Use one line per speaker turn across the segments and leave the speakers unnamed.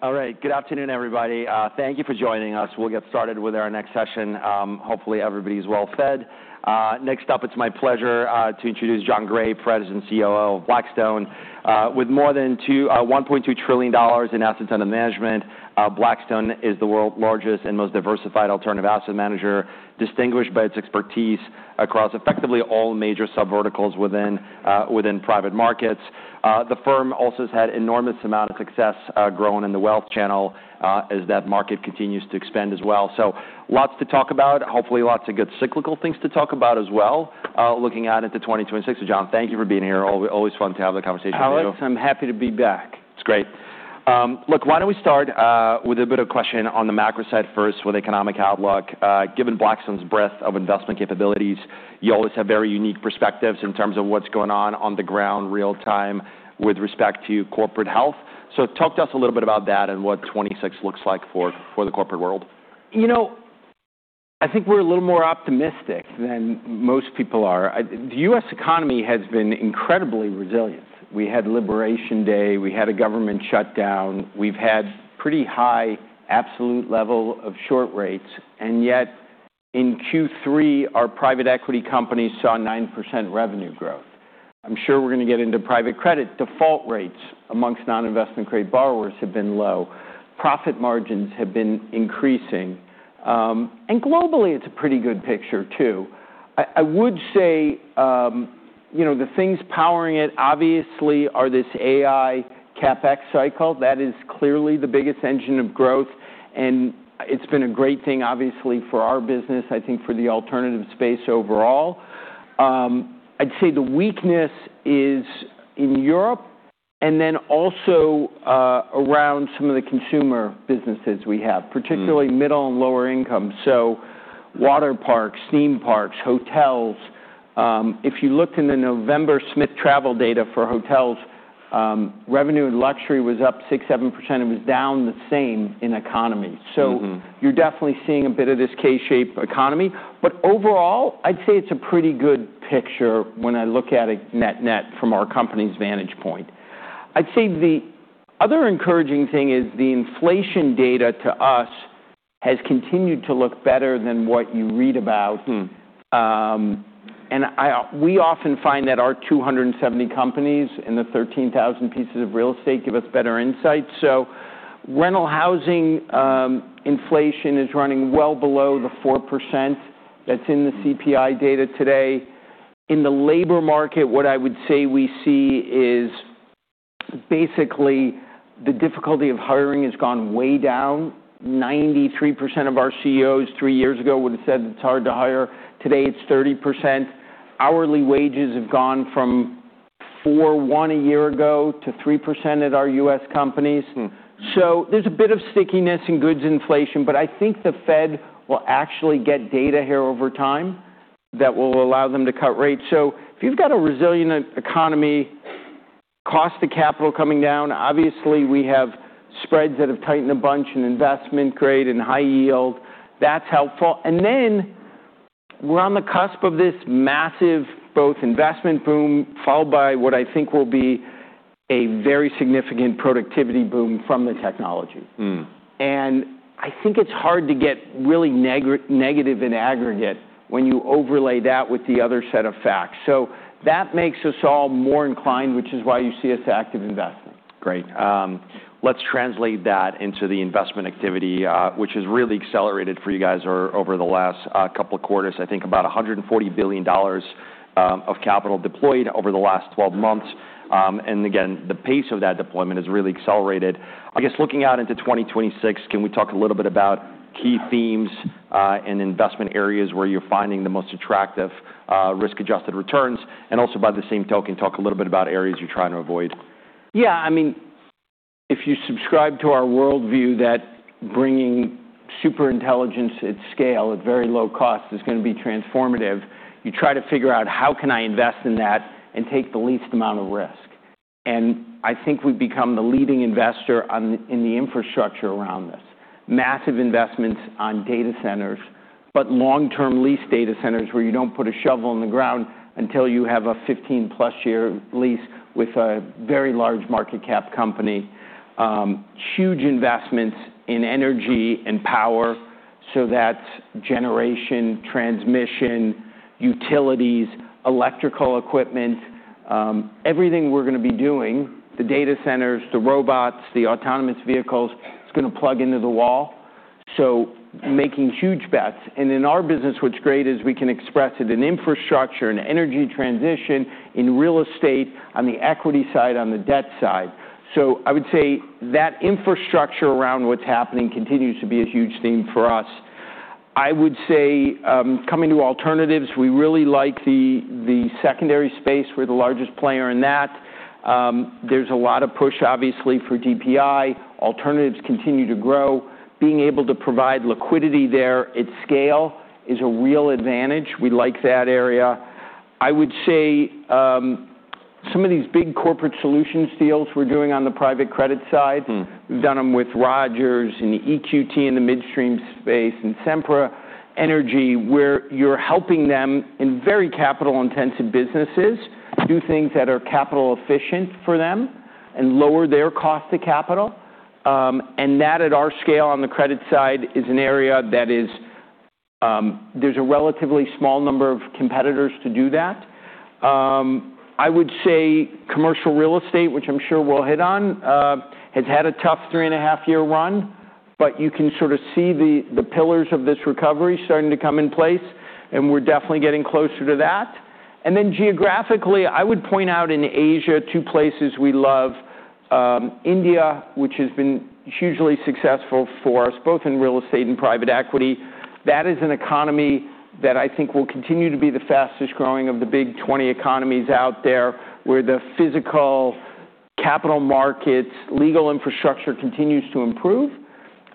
All right. Good afternoon, everybody. Thank you for joining us. We'll get started with our next session. Hopefully everybody's well-fed. Next up, it's my pleasure to introduce Jon Gray, President and COO of Blackstone. With more than $1.2 trillion in assets under management, Blackstone is the world's largest and most diversified alternative asset manager, distinguished by its expertise across effectively all major sub-verticals within private markets. The firm also has had an enormous amount of success, growing in the wealth channel, as that market continues to expand as well. So, lots to talk about, hopefully lots of good cyclical things to talk about as well, looking out into 2026. So, John, thank you for being here. Always fun to have the conversation with you.
Alex, I'm happy to be back.
It's great. Look, why don't we start with a bit of question on the macro side first with economic outlook. Given Blackstone's breadth of investment capabilities, you always have very unique perspectives in terms of what's going on on the ground, real-time, with respect to corporate health. So, talk to us a little bit about that and what 2026 looks like for the corporate world.
You know, I think we're a little more optimistic than most people are. The U.S. economy has been incredibly resilient. We had Labor Day, we had a government shutdown, we've had pretty high absolute level of short rates, and yet in Q3, our private equity companies saw 9% revenue growth. I'm sure we're gonna get into private credit. Default rates among non-investment-grade borrowers have been low, profit margins have been increasing, and globally, it's a pretty good picture too. I would say, you know, the things powering it obviously are this AI CapEx cycle. That is clearly the biggest engine of growth, and it's been a great thing, obviously, for our business, I think for the alternative space overall. I'd say the weakness is in Europe and then also, around some of the consumer businesses we have, particularly middle and lower income. So, water parks, theme parks, hotels. If you looked in the November Smith Travel data for hotels, revenue in luxury was up 6-7%. It was down the same in economy. You're definitely seeing a bit of this K-shaped economy, but overall, I'd say it's a pretty good picture when I look at it net from our company's vantage point. I'd say the other encouraging thing is the inflation data, to us, has continued to look better than what you read about, and I—we often find that our 270 companies and the 13,000 pieces of real estate give us better insight, so rental housing, inflation is running well below the 4% that's in the CPI data today. In the labor market, what I would say we see is basically the difficulty of hiring has gone way down. 93% of our CEOs three years ago would've said it's hard to hire. Today, it's 30%. Hourly wages have gone from 4.1% a year ago to 3% at our U.S. companies. So, there's a bit of stickiness in goods inflation, but I think the Fed will actually get data here over time that will allow them to cut rates, so if you've got a resilient economy, cost of capital coming down, obviously we have spreads that have tightened a bunch in investment-grade and high-yield, that's helpful, and then we're on the cusp of this massive both investment boom followed by what I think will be a very significant productivity boom from the technology, and I think it's hard to get really negative in aggregate when you overlay that with the other set of facts, so that makes us all more inclined, which is why you see us active investing.
Great. Let's translate that into the investment activity, which has really accelerated for you guys over the last couple of quarters. I think about $140 billion of capital deployed over the last 12 months, and again, the pace of that deployment has really accelerated. I guess looking out into 2026, can we talk a little bit about key themes and investment areas where you're finding the most attractive, risk-adjusted returns, and also by the same token, talk a little bit about areas you're trying to avoid?
Yeah. I mean, if you subscribe to our worldview that bringing superintelligence at scale at very low cost is gonna be transformative, you try to figure out how can I invest in that and take the least amount of risk. And I think we've become the leading investor in the infrastructure around this. Massive investments on data centers, but long-term lease data centers where you don't put a shovel in the ground until you have a 15-plus-year lease with a very large market cap company. Huge investments in energy and power. So that's generation, transmission, utilities, electrical equipment, everything we're gonna be doing, the data centers, the robots, the autonomous vehicles, it's gonna plug into the wall. So, making huge bets. And in our business, what's great is we can express it in infrastructure, in energy transition, in real estate, on the equity side, on the debt side. So, I would say that infrastructure around what's happening continues to be a huge theme for us. I would say, coming to alternatives, we really like the secondary space. We're the largest player in that. There's a lot of push, obviously, for DPI. Alternatives continue to grow. Being able to provide liquidity there at scale is a real advantage. We like that area. I would say, some of these big corporate solutions deals we're doing on the private credit side. We've done with Rogers and EQT in the midstream space and Sempra Energy, where you're helping them in very capital-intensive businesses do things that are capital-efficient for them and lower their cost of capital, and that at our scale on the credit side is an area that is. There's a relatively small number of competitors to do that. I would say commercial real estate, which I'm sure we'll hit on, has had a tough three-and-a-half-year run, but you can sort of see the pillars of this recovery starting to come in place, and we're definitely getting closer to that, and then geographically, I would point out in Asia, two places we love, India, which has been hugely successful for us, both in real estate and private equity. That is an economy that I think will continue to be the fastest growing of the big 20 economies out there, where the physical capital markets, legal infrastructure continues to improve,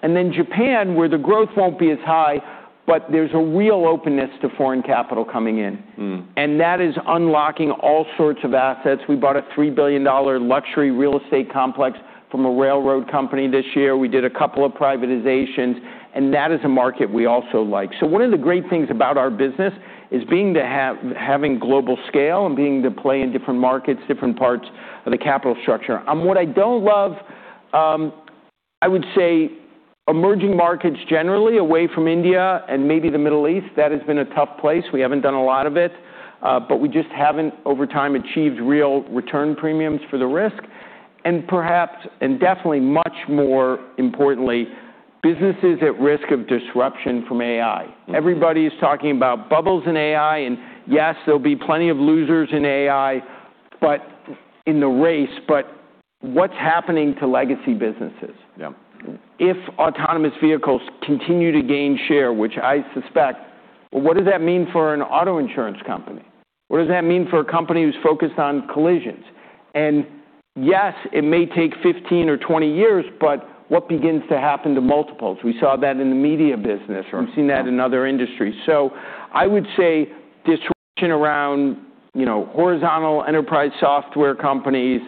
and then Japan, where the growth won't be as high, but there's a real openness to foreign capital coming in, and that is unlocking all sorts of assets. We bought a $3 billion luxury real estate complex from a railroad Company this year. We did a couple of privatizations, and that is a market we also like, so one of the great things about our business is having global scale and being able to play in different markets, different parts of the capital structure. What I don't love, I would say, emerging markets generally away from India and maybe the Middle East, that has been a tough place. We haven't done a lot of it, but we just haven't, over time, achieved real return premiums for the risk, and perhaps, and definitely much more importantly, businesses at risk of disruption from AI. Everybody's talking about bubbles in AI, and yes, there'll be plenty of losers in AI, but in the race, what's happening to legacy businesses?
Yeah.
If autonomous vehicles continue to gain share, which I suspect, well, what does that mean for an auto insurance company? What does that mean for a company who's focused on collisions? And yes, it may take 15 or 20 years, but what begins to happen to multiples? We saw that in the media business. Or we've seen that in other industries. So, I would say disruption around, you know, horizontal enterprise software companies,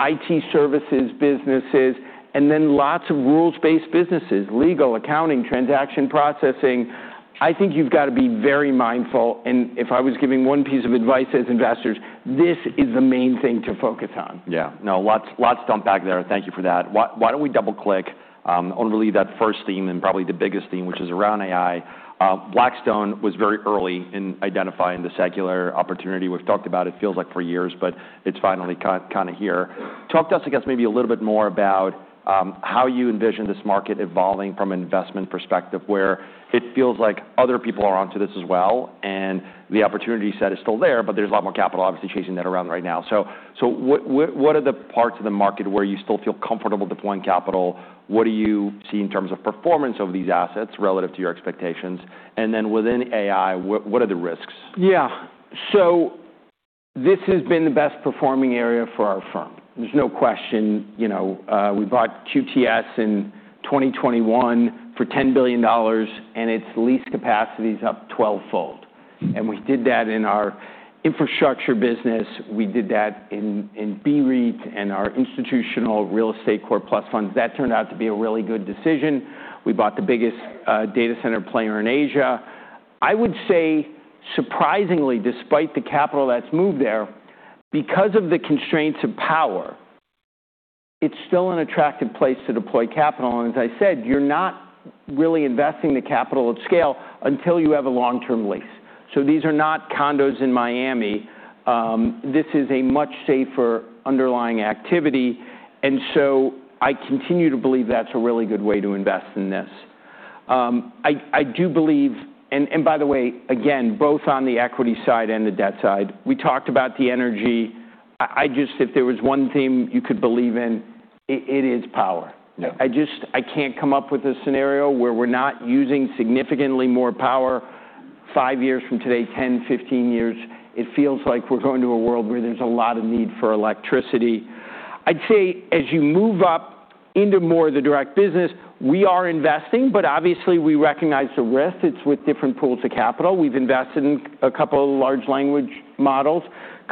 IT services businesses, and then lots of rules-based businesses, legal, accounting, transaction processing. I think you've got be very mindful. And if I was giving one piece of advice as investors, this is the main thing to focus on.
Yeah. No, lots, lots to unpack there. Thank you for that. Why don't we double-click, only leave that first theme and probably the biggest theme, which is around AI. Blackstone was very early in identifying the secular opportunity. We've talked about it, feels like for years, but it's finally kind a here. Talk to us, I guess, maybe a little bit more about how you envision this market evolving from an investment perspective, where it feels like other people are onto this as well and the opportunity set is still there, but there's a lot more capital, obviously, chasing that around right now. So what are the parts of the market where you still feel comfortable deploying capital? What do you see in terms of performance of these assets relative to your expectations? And then within AI, what are the risks?
Yeah. So, this has been the best-performing area for our firm. There's no question, you know, we bought QTS in 2021 for $10 billion, and its lease capacity's up 12-fold. And we did that in our infrastructure business. We did that in BREIT and our institutional real estate core plus funds. That turned out to be a really good decision. We bought the biggest data center player in Asia. I would say, surprisingly, despite the capital that's moved there, because of the constraints of power, it's still an attractive place to deploy capital. And as I said, you're not really investing the capital at scale until you have a long-term lease. So, these are not condos in Miami. This is a much safer underlying activity. And so, I continue to believe that's a really good way to invest in this. I do believe, and by the way, again, both on the equity side and the debt side, we talked about the energy. I just, if there was one theme you could believe in, it is power.
Yeah.
I just, I can't come up with a scenario where we're not using significantly more power five years from today, 10, 15 years. It feels like we're going to a world where there's a lot of need for electricity. I'd say, as you move up into more of the direct business, we are investing, but obviously we recognize the risk. It's with different pools of capital. We've invested in a couple of large language models,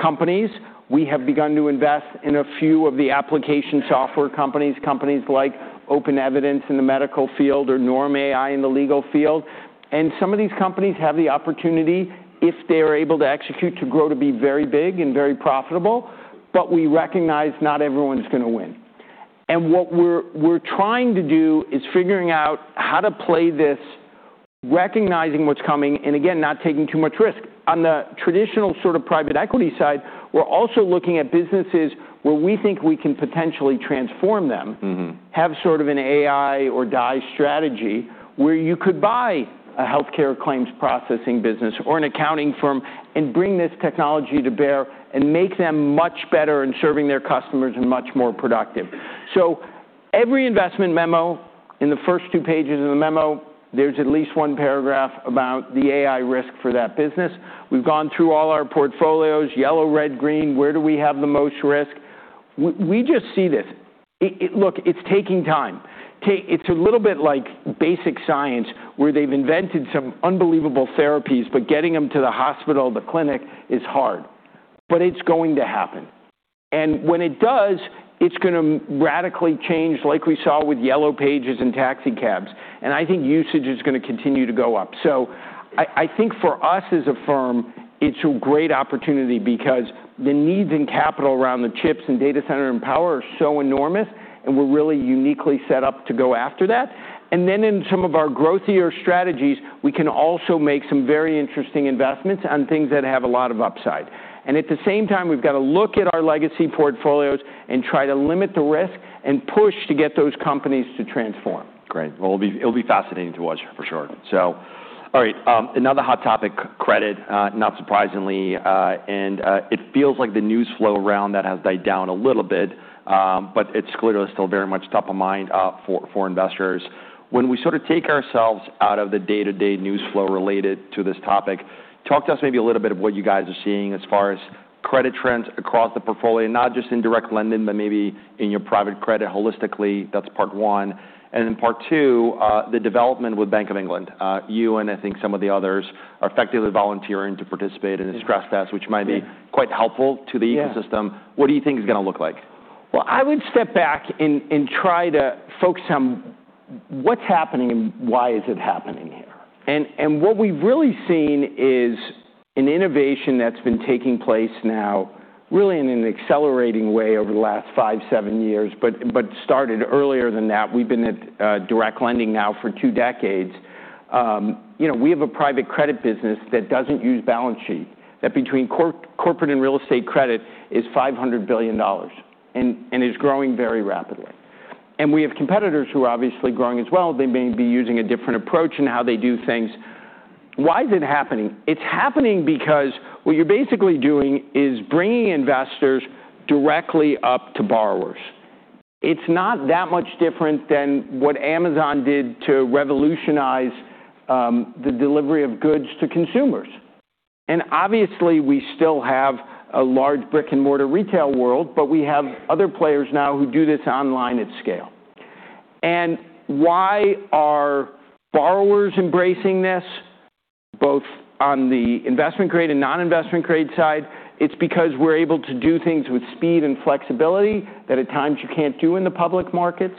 companies. We have begun to invest in a few of the application software companies, companies like OpenEvidence in the medical field or Norm Ai in the legal field. And some of these companies have the opportunity, if they're able to execute, to grow to be very big and very profitable, but we recognize not everyone's gonna win. What we're trying to do is figuring out how to play this, recognizing what's coming, and again, not taking too much risk. On the traditional sort of private equity side, we're also looking at businesses where we think we can potentially transform them. Have sort of an AI or DIE strategy where you could buy a healthcare claims processing business or an accounting firm and bring this technology to bear and make them much better in serving their customers and much more productive. So, every investment memo, in the first two pages of the memo, there's at least one paragraph about the AI risk for that business. We've gone through all our portfolios, yellow, red, green, where do we have the most risk? We just see this. Look, it's taking time. That it's a little bit like basic science where they've invented some unbelievable therapies, but getting 'em to the hospital, the clinic is hard. But it's going to happen. And when it does, it's gonna radically change, like we saw with yellow pages and taxi cabs. And I think usage is gonna continue to go up. So, I think for us as a firm, it's a great opportunity because the needs in capital around the chips and data center and power are so enormous, and we're really uniquely set up to go after that. And then in some of our growthier strategies, we can also make some very interesting investments on things that have a lot of upside. And at the same time, we've gotta look at our legacy portfolios and try to limit the risk and push to get those companies to transform.
Great. Well, it'll be fascinating to watch for sure, so all right. Another hot topic, credit, not surprisingly, and it feels like the news flow around that has died down a little bit, but it's clearly still very much top of mind for investors. When we sort of take ourselves out of the day-to-day news flow related to this topic, talk to us maybe a little bit of what you guys are seeing as far as credit trends across the portfolio, not just in direct lending, but maybe in your private credit holistically. That's part one, and then part two, the development with Bank of England. You and I think some of the others are effectively volunteering to participate in this stress test, which might be.
Yeah.
Quite helpful to the ecosystem.
Yeah.
What do you think it's gonna look like?
Well, I would step back and try to focus on what's happening and why is it happening here? What we've really seen is an innovation that's been taking place now, really in an accelerating way over the last five, seven years, but started earlier than that. We've been at direct lending now for two decades. You know, we have a private credit business that doesn't use balance sheet. That between corporate and real estate credit is $500 billion and is growing very rapidly, and we have competitors who are obviously growing as well. They may be using a different approach in how they do things. Why is it happening? It's happening because what you're basically doing is bringing investors directly up to borrowers. It's not that much different than what Amazon did to revolutionize the delivery of goods to consumers. And obviously, we still have a large brick-and-mortar retail world, but we have other players now who do this online at scale. And why are borrowers embracing this, both on the investment-grade and non-investment-grade side? It's because we're able to do things with speed and flexibility that at times you can't do in the public markets.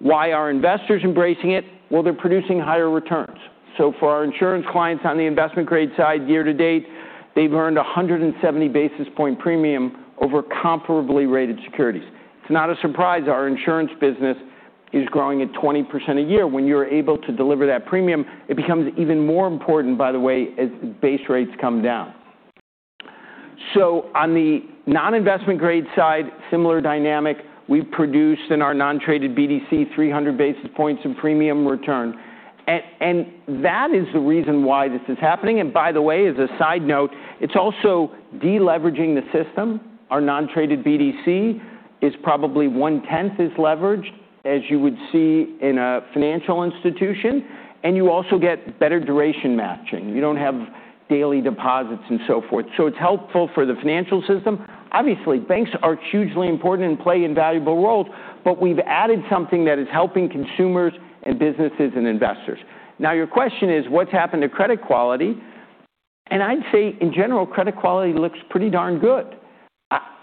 Why are investors embracing it? Well, they're producing higher returns. So, for our insurance clients on the investment-grade side, year to date, they've earned 170 basis point premium over comparably rated securities. It's not a surprise. Our insurance business is growing at 20% a year. When you're able to deliver that premium, it becomes even more important, by the way, as base rates come down. So, on the non-investment-grade side, similar dynamic. We've produced in our non-traded BDC 300 basis points of premium return. And that is the reason why this is happening. And by the way, as a side note, it's also deleveraging the system. Our non-traded BDC is probably one-tenth as leveraged as you would see in a financial institution. And you also get better duration matching. You don't have daily deposits and so forth. So, it's helpful for the financial system. Obviously, banks are hugely important and play a valuable role, but we've added something that is helping consumers and businesses and investors. Now, your question is, what's happened to credit quality? And I'd say, in general, credit quality looks pretty darn good.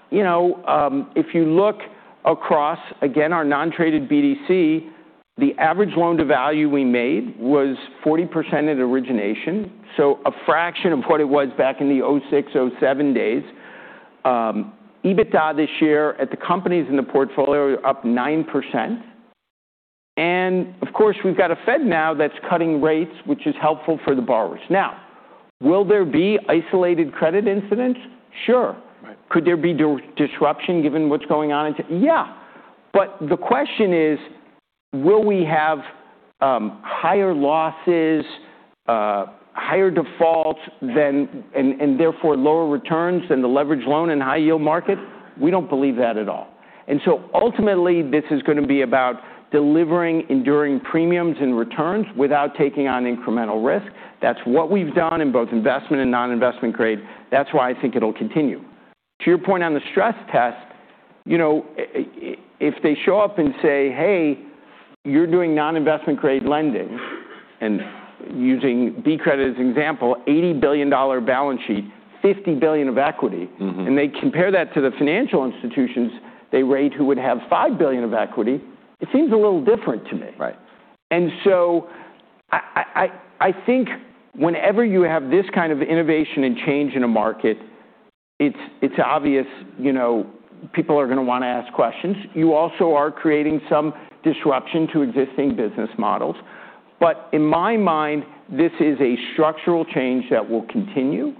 You know, if you look across, again, our non-traded BDC, the average loan to value we made was 40% at origination, so a fraction of what it was back in the 2006, 2007 days. EBITDA this year at the companies in the portfolio is up 9%. And of course, we've got a Fed now that's cutting rates, which is helpful for the borrowers. Now, will there be isolated credit incidents? Sure.
Right.
Could there be disruption given what's going on? Yeah. But the question is, will we have higher losses, higher defaults than and therefore lower returns than the leveraged loan and high-yield market? We don't believe that at all. And so, ultimately, this is gonna be about delivering enduring premiums and returns without taking on incremental risk. That's what we've done in both investment-grade and non-investment-grade. That's why I think it'll continue. To your point on the stress test, you know, if they show up and say, "Hey, you're doing non-investment-grade lending and using BCRED as an example, $80 billion balance sheet, $50 billion of equity. They compare that to the financial institutions, they rate who would have $5 billion of equity. It seems a little different to me.
Right.
And so, I think whenever you have this kind of innovation and change in a market, it's obvious, you know, people are gonna wanna ask questions. You also are creating some disruption to existing business models. But in my mind, this is a structural change that will continue,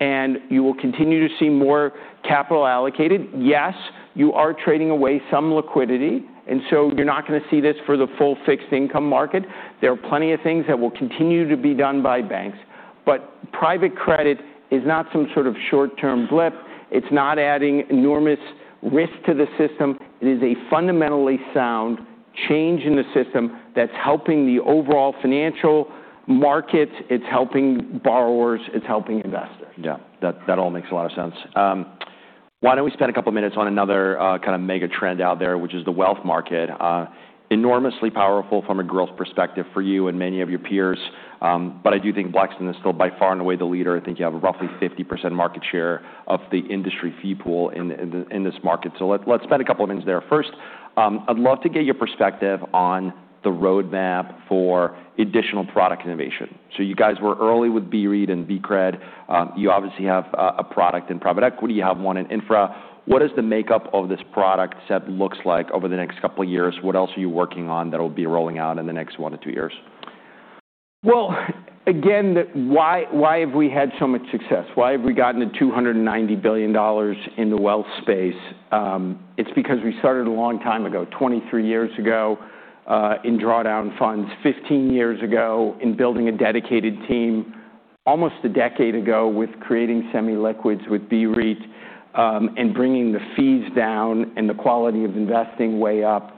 and you will continue to see more capital allocated. Yes, you are trading away some liquidity, and so you're not gonna see this for the full fixed-income market. There are plenty of things that will continue to be done by banks. But private credit is not some sort of short-term blip. It's not adding enormous risk to the system. It is a fundamentally sound change in the system that's helping the overall financial market. It's helping borrowers. It's helping investors.
Yeah. That all makes a lot of sense. Why don't we spend a couple minutes on another kind of mega trend out there, which is the wealth market? Enormously powerful from a growth perspective for you and many of your peers. But I do think Blackstone is still by far and away the leader. I think you have roughly 50% market share of the industry fee pool in this market. So, let's spend a couple of minutes there. First, I'd love to get your perspective on the roadmap for additional product innovation. So, you guys were early with BREIT and BCRED. You obviously have a product in private equity. You have one in infra. What does the makeup of this product set look like over the next couple of years? What else are you working on that'll be rolling out in the next one to two years?
Again, the why, why have we had so much success? Why have we gotten to $290 billion in the wealth space? It's because we started a long time ago, 23 years ago, in drawdown funds, 15 years ago in building a dedicated team, almost a decade ago with creating semi-liquids with BREIT, and bringing the fees down and the quality of investing way up,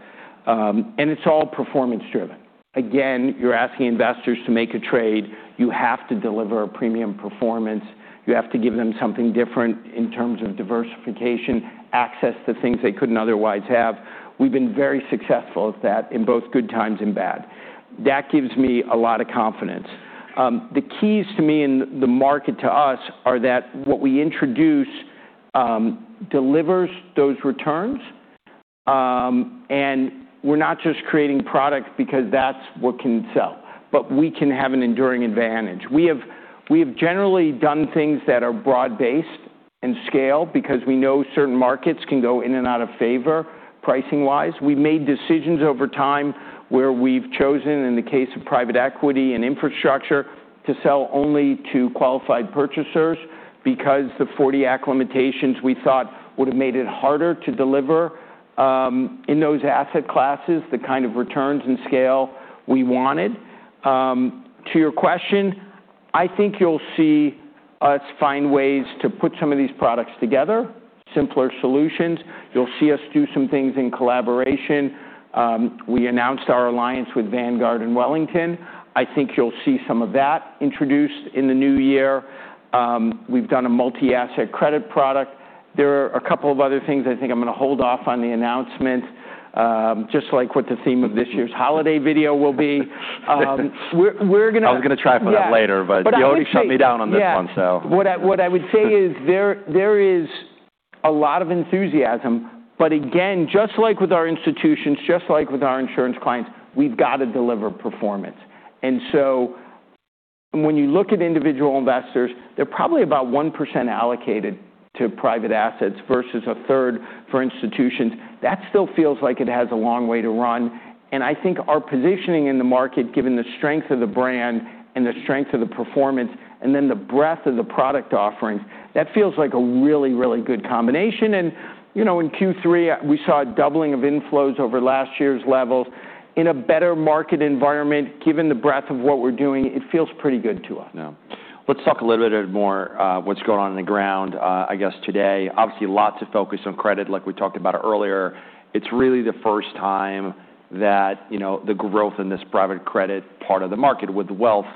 and it's all performance-driven. Again, you're asking investors to make a trade. You have to deliver a premium performance. You have to give them something different in terms of diversification, access to things they couldn't otherwise have. We've been very successful at that in both good times and bad. That gives me a lot of confidence. The keys to me and the market to us are that what we introduce, delivers those returns. And we're not just creating product because that's what can sell, but we can have an enduring advantage. We have, we have generally done things that are broad-based and scale because we know certain markets can go in and out of favor pricing-wise. We've made decisions over time where we've chosen, in the case of private equity and infrastructure, to sell only to qualified purchasers because the 40 Act limitations we thought would've made it harder to deliver, in those asset classes the kind of returns and scale we wanted. To your question, I think you'll see us find ways to put some of these products together, simpler solutions. You'll see us do some things in collaboration. We announced our alliance with Vanguard and Wellington. I think you'll see some of that introduced in the new year. We've done a multi-asset credit product. There are a couple of other things I think I'm gonna hold off on the announcement, just like what the theme of this year's holiday video will be. We're gonna.
I was gonna try for that later, but you already shut me down on this one, so.
Yeah. What I would say is there is a lot of Enthusiasm, but again, just like with our institutions, just like with our insurance clients, we've got a deliver performance. And so, when you look at individual investors, they're probably about 1% allocated to private assets versus a third for institutions. That still feels like it has a long way to run. And I think our positioning in the market, given the strength of the brand and the strength of the performance and then the breadth of the product offerings, that feels like a really, really good combination. And, you know, in Q3, we saw a doubling of inflows over last year's levels. In a better market environment, given the breadth of what we're doing, it feels pretty good to us.
Yeah. Let's talk a little bit more, what's going on on the ground, I guess today. Obviously, lots of focus on credit, like we talked about earlier. It's really the first time that, you know, the growth in this private credit part of the market with wealth,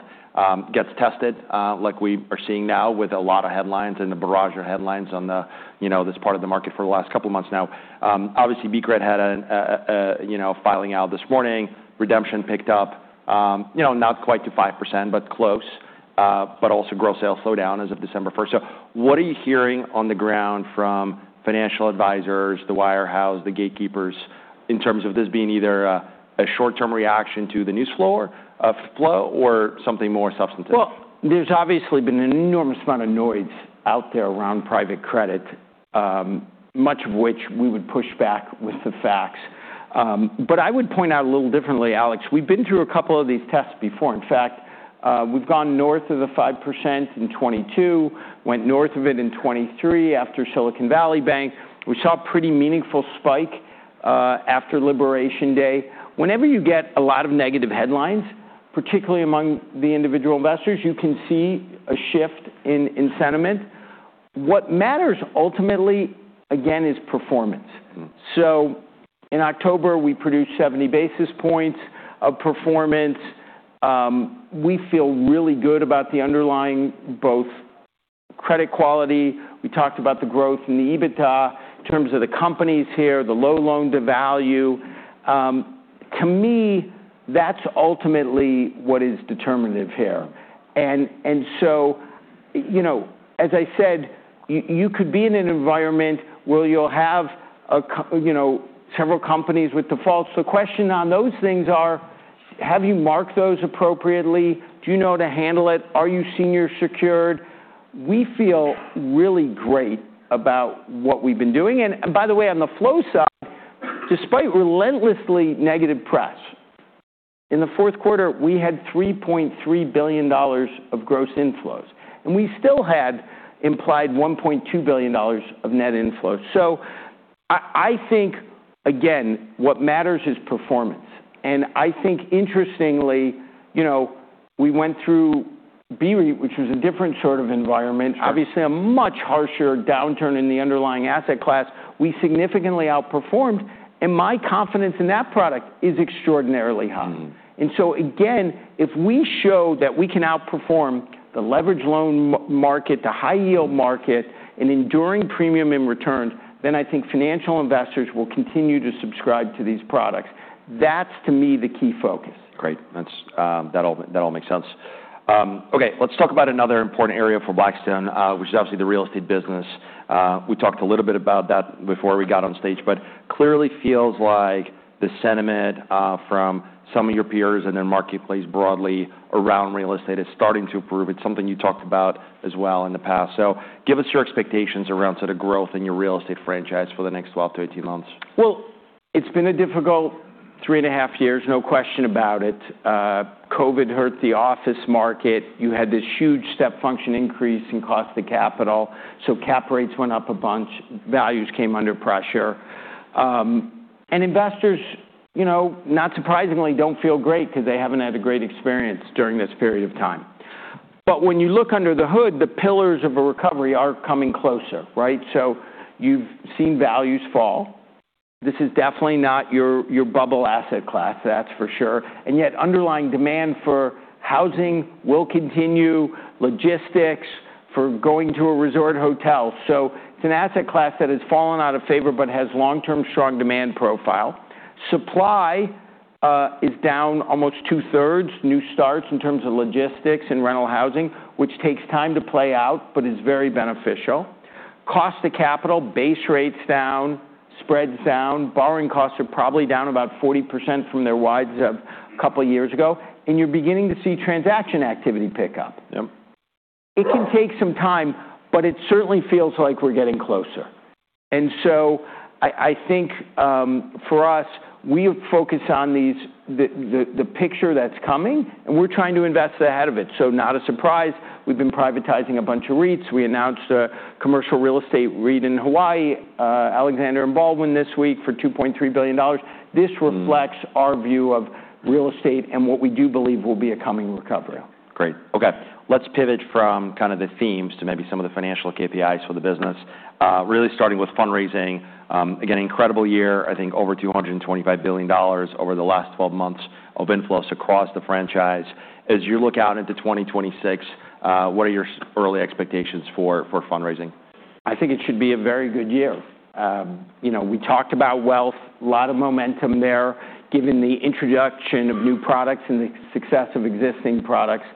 gets tested, like we are seeing now with a lot of headlines and the barrage of headlines on the, you know, this part of the market for the last couple of months now. Obviously, BCRED had a, you know, filing out this morning. Redemption picked up, you know, not quite to 5%, but close, but also gross sales slowed down as of December 1st. So, what are you hearing on the ground from financial advisors, the wirehouse, the gatekeepers in terms of this being either a short-term reaction to the news flow, or something more substantive?
There's obviously been an enormous amount of noise out there around private credit, much of which we would push back with the facts. But I would point out a little differently, Alex. We've been through a couple of these tests before. In fact, we've gone north of the 5% in 2022, went north of it in 2023 after Silicon Valley Bank. We saw a pretty meaningful spike after Labor Day. Whenever you get a lot of negative headlines, particularly among the individual investors, you can see a shift in sentiment. What matters ultimately, again, is performance. In October, we produced 70 basis points of performance. We feel really good about the underlying both credit quality. We talked about the growth in the EBITDA in terms of the companies here, the low loan to value. To me, that's ultimately what is determinative here. And so, you know, as I said, you could be in an environment where you'll have a couple you know, several companies with defaults. The question on those things are, have you marked those appropriately? Do you know how to handle it? Are you senior secured? We feel really great about what we've been doing. And by the way, on the flow side, despite relentlessly negative press, in the fourth quarter, we had $3.3 billion of gross inflows, and we still had implied $1.2 billion of net inflows. I think, again, what matters is performance. I think, interestingly, you know, we went through BREIT, which was a different sort of environment, obviously a much harsher downturn in the underlying asset class. We significantly outperformed, and my confidence in that product is extraordinarily high. And so, again, if we show that we can outperform the leveraged loan market, the high-yield market, and enduring premium in returns, then I think financial investors will continue to subscribe to these products. That's, to me, the key focus.
Great. That's all that makes sense. Okay. Let's talk about another important area for Blackstone, which is obviously the real estate business. We talked a little bit about that before we got on stage, but clearly feels like the sentiment from some of your peers and then marketplace broadly around real estate is starting to improve. It's something you talked about as well in the past. So, give us your expectations around sort of growth in your real estate franchise for the next 12-18 months.
Well, it's been a difficult three and a half years, no question about it. COVID hurt the office market. You had this huge step function increase in cost of capital. So, Cap rates went up a bunch. Values came under pressure. And investors, you know, not surprisingly, don't feel great 'cause they haven't had a great experience during this period of time. But when you look under the hood, the pillars of a recovery are coming closer, right? So, you've seen values fall. This is definitely not your bubble asset class, that's for sure. And yet, underlying demand for housing will continue, logistics for going to a resort hotel. So, it's an asset class that has fallen out of favor but has long-term strong demand profile. Supply is down almost two-thirds, new starts in terms of logistics and rental housing, which takes time to play out but is very beneficial. Cost of capital, base rates down, spreads down. Borrowing costs are probably down about 40% from their wides of a couple of years ago, and you're beginning to see transaction activity pick up. It can take some time, but it certainly feels like we're getting closer, and so I think, for us, we focus on these, the picture that's coming, and we're trying to invest ahead of it, so not a surprise. We've been privatizing a bunch of REITs. We announced a commercial real estate REIT in Hawaii, Alexander & Baldwin this week for $2.3 billion. This reflects our view of real estate and what we do believe will be a coming recovery.
Great. Okay. Let's pivot from kind of the themes to maybe some of the financial KPIs for the business, really starting with fundraising. Again, I think over $225 billion over the last 12 months of inflows across the franchise. As you look out into 2026, what are your early expectations for fundraising?
I think it should be a very good year. You know, we talked about wealth, a lot of momentum there, given the introduction of new products and the success of existing products.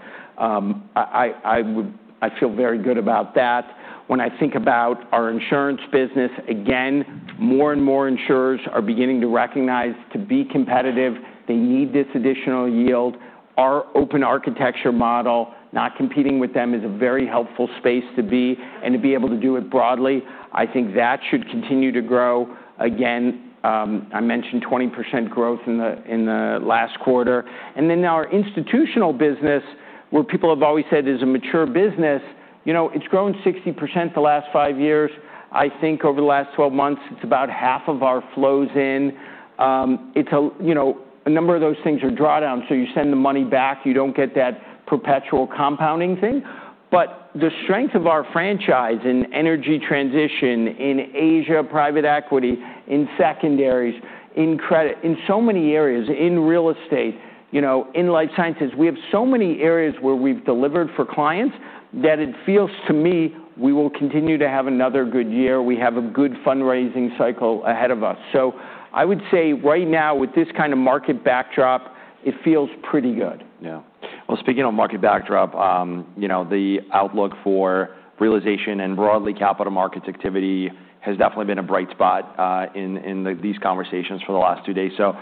I feel very good about that. When I think about our insurance business, again, more and more insurers are beginning to recognize to be competitive. They need this additional yield. Our open architecture model, not competing with them, is a very helpful space to be and to be able to do it broadly. I think that should continue to grow. Again, I mentioned 20% growth in the last quarter. And then our institutional business, where people have always said is a mature business, you know, it's grown 60% the last five years. I think over the last 12 months, it's about half of our flows in. It's a, you know, a number of those things are drawdown, so you send the money back. You don't get that perpetual compounding thing, but the strength of our franchise in energy transition, in Asia, private equity, in secondaries, in credit, in so many areas, in real estate, you know, in life sciences, we have so many areas where we've delivered for clients that it feels to me we will continue to have another good year. We have a good fundraising cycle ahead of us, so I would say right now, with this kind of market backdrop, it feels pretty good.
Yeah. Well, speaking of market backdrop, you know, the outlook for realization and broadly capital markets activity has definitely been a bright spot in these conversations for the last two days. So,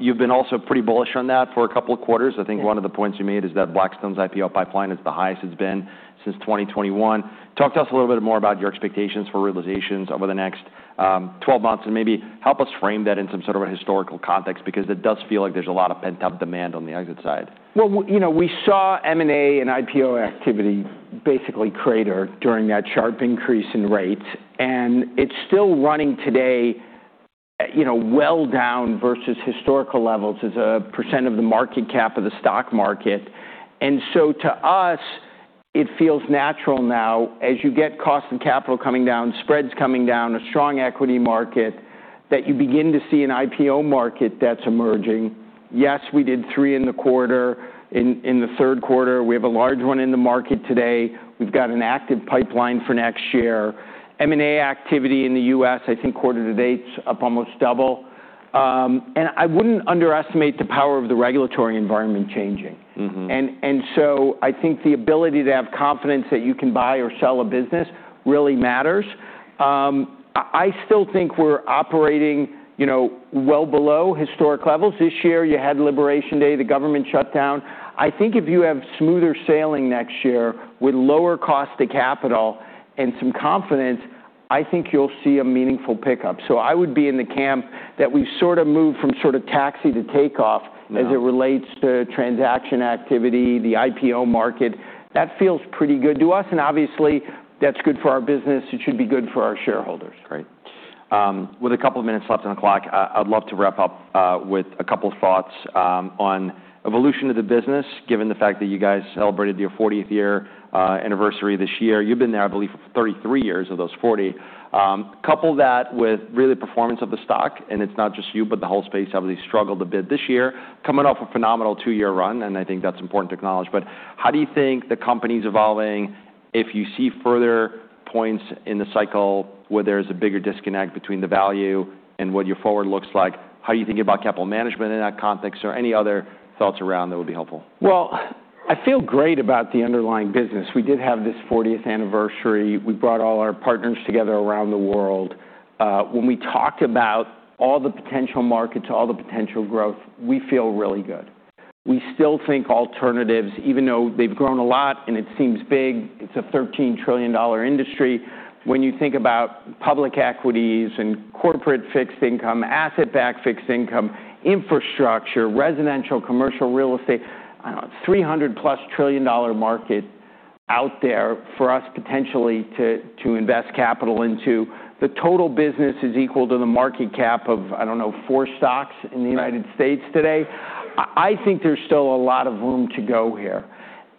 you've been also pretty bullish on that for a couple of quarters. I think one of the points you made is that Blackstone's IPO pipeline is the highest it's been since 2021. Talk to us a little bit more about your expectations for realizations over the next 12 months and maybe help us frame that in some sort of a historical context because it does feel like there's a lot of pent-up demand on the exit side.
Well, you know, we saw M&A and IPO activity basically crater during that sharp increase in rates, and it's still running today, you know, well down versus historical levels as a % of the market cap of the stock market, and so, to us, it feels natural now as you get cost of capital coming down, spreads coming down, a strong equity market that you begin to see an IPO market that's emerging. Yes, we did three in the quarter. In the third quarter, we have a large one in the market today. We've got an active pipeline for next year. M&A activity in the U.S., I think quarter to date, up almost double, and I wouldn't underestimate the power of the regulatory environment changing. And so, I think the ability to have confidence that you can buy or sell a business really matters. I still think we're operating, you know, well below historic levels. This year, you had Labor Day, the government shut down. I think if you have smoother sailing next year with lower cost of capital and some confidence, I think you'll see a meaningful pickup. So, I would be in the camp that we've sort of moved from sort of taxi to takeoff as it relates to transaction activity, the IPO market. That feels pretty good to us, and obviously, that's good for our business. It should be good for our shareholders.
Great. With a couple of minutes left on the clock, I'd love to wrap up with a couple of thoughts on evolution of the business, given the fact that you guys celebrated your 40th year anniversary this year. You've been there, I believe, for 33 years of those 40. Couple that with real performance of the stock, and it's not just you, but the whole space obviously struggled a bit this year, coming off a phenomenal two-year run, and I think that's important to acknowledge. But how do you think the company's evolving if you see further points in the cycle where there's a bigger disconnect between the value and what your forward looks like? How are you thinking about capital management in that context? Or any other thoughts around that would be helpful?
Well, I feel great about the underlying business. We did have this 40th anniversary. We brought all our partners together around the world. When we talked about all the potential markets, all the potential growth, we feel really good. We still think alternatives, even though they've grown a lot and it seems big, it's a $13 trillion industry. When you think about public equities and corporate fixed income, asset-backed fixed income, infrastructure, residential, commercial, real estate, I don't know, it's a $300-plus trillion market out there for us potentially to invest capital into. The total business is equal to the market cap of, I don't know, four stocks in the United States today. I think there's still a lot of room to go here.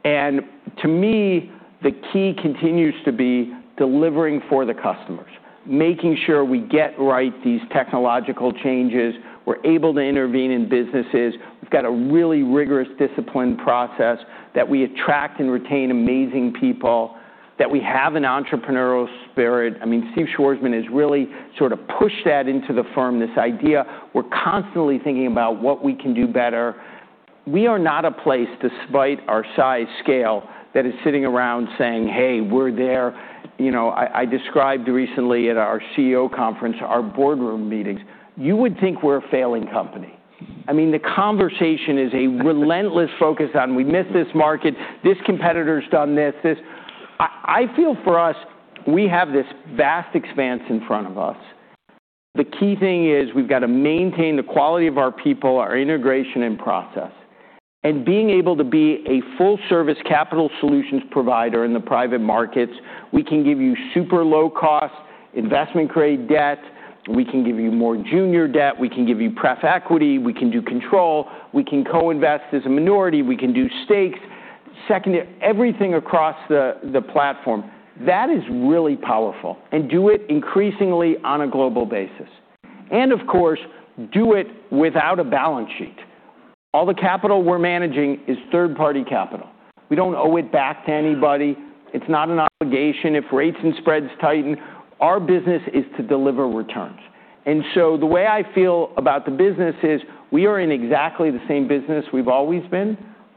And to me, the key continues to be delivering for the customers, making sure we get right these technological changes. We're able to intervene in businesses. We've got a really rigorous discipline process that we attract and retain amazing people, that we have an entrepreneurial spirit. I mean, Steve Schwarzman has really sort of pushed that into the firm, this idea. We're constantly thinking about what we can do better. We are not a place, despite our size scale, that is sitting around saying, "Hey, we're there." You know, I, I described recently at our CEO conference, our boardroom meetings, you would think we're a failing company. I mean, the conversation is a relentless focus on, "We miss this market. This competitor's done this." This, I, I feel for us, we have this vast expanse in front of us. The key thing is we've got to maintain the quality of our people, our integration, and process. And being able to be a full-service capital solutions provider in the private markets, we can give you super low-cost investment-grade debt. We can give you more junior debt. We can give you pref equity. We can do control. We can co-invest as a minority. We can do stakes, secondary, everything across the platform. That is really powerful and do it increasingly on a global basis. And of course, do it without a balance sheet. All the capital we're managing is third-party capital. We don't owe it back to anybody. It's not an obligation. If rates and spreads tighten, our business is to deliver returns. And so, the way I feel about the business is we are in exactly the same business we've always been.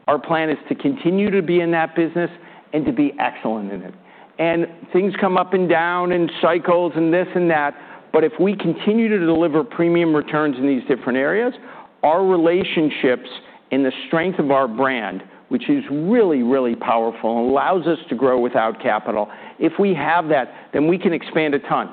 Our plan is to continue to be in that business and to be excellent in it. And things come up and down and cycles and this and that, but if we continue to deliver premium returns in these different areas, our relationships and the strength of our brand, which is really, really powerful and allows us to grow without capital, if we have that, then we can expand a ton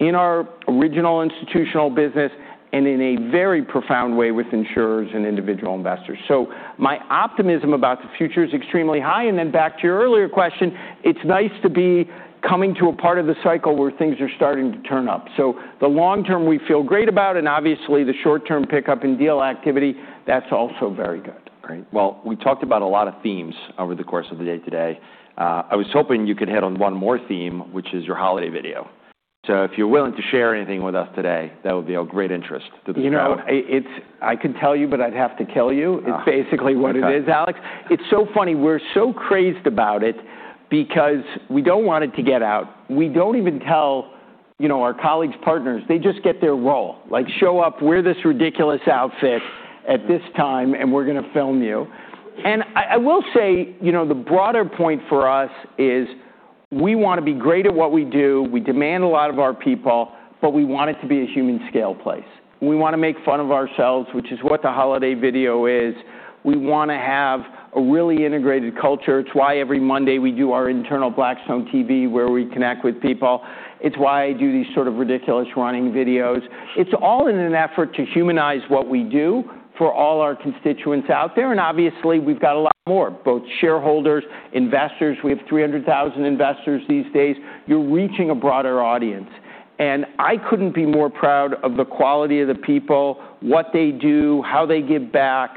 in our original institutional business and in a very profound way with insurers and individual investors. So, my optimism about the future is extremely high. And then back to your earlier question, it's nice to be coming to a part of the cycle where things are starting to turn up. So, the long-term, we feel great about, and obviously, the short-term pickup in deal activity, that's also very good.
Great. Well, we talked about a lot of themes over the course of the day today. I was hoping you could hit on one more theme, which is your holiday video. So, if you're willing to share anything with us today, that would be of great interest to the crowd.
You know, it's, I could tell you, but I'd have to kill you. It's basically what it is, Alex. It's so funny. We're so crazed about it because we don't want it to get out. We don't even tell, you know, our colleagues, partners. They just get their role, like, "Show up. Wear this ridiculous outfit at this time, and we're gonna film you," and I will say, you know, the broader point for us is we wanna be great at what we do. We demand a lot of our people, but we want it to be a human-scale place. We wanna make fun of ourselves, which is what the holiday video is. We wanna have a really integrated culture. It's why every Monday we do our internal Blackstone TV where we connect with people. It's why I do these sort of ridiculous running videos. It's all in an effort to humanize what we do for all our constituents out there, and obviously we've got a lot more, both shareholders, investors. We have 300,000 investors these days. You're reaching a broader audience, and I couldn't be more proud of the quality of the people, what they do, how they give back.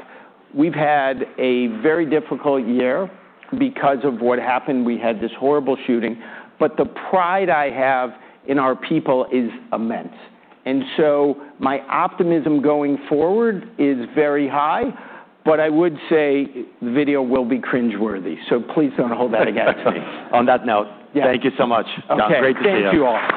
We've had a very difficult year because of what happened. We had this horrible shooting, but the pride I have in our people is immense, and so my optimism going forward is very high, but I would say the video will be cringe-worthy, so please don't hold that against me.
On that note, thank you so much.
Okay.
It's great to see you.
Thank you all.